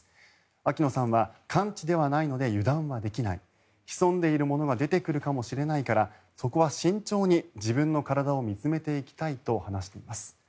秋野さんは完治ではないので油断はできない潜んでいるものが出てくるかもしれないからそこは慎重に自分の体を見つめていきたいと話しています。